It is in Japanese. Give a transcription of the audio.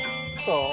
そう。